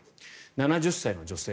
７０歳の女性。